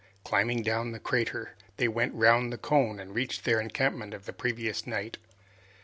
Climbing down the crater, they went round the cone and reached their encampment of the previous night.